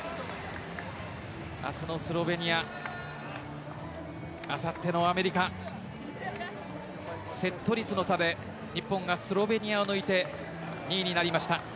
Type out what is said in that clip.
明日のスロベニアあさってのアメリカセット率の差で日本がスロベニアを抜いて２位になりました。